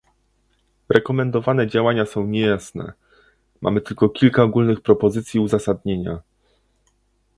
Rekomendowane działania są niejasne - mamy tylko kilka ogólnych propozycji i uzasadnienia